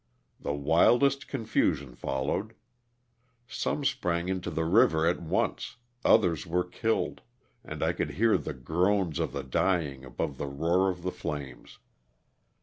The wildest confusion followed. Some sprang into the river at once, others were killed, and I could hear the groans of the dying above the roar of the flames.